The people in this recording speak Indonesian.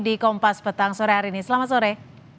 di kompas petang sore hari ini selamat sore